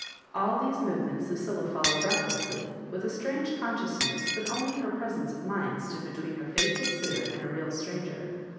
All. these movements Lucilla followed breathlessly, with a strange consciousness that only her presence of mind stood between her faithless suitor and a real stranger.